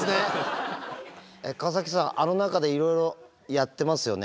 川崎さんあの中でいろいろやってますよね？